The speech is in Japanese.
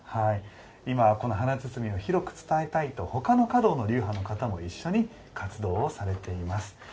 今、華包を広く伝えたいと他の華道の流派の方も一緒に活動をされています。